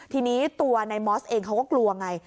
ทีนี้ตัวนายมอสเองเขาก็กลัวไง